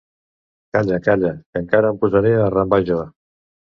Calla, calla, que encara em posaré a arrambar jo.